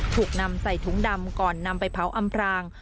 ถูกนำใส่ถุงดำก่อนนำไปเผาอำพราง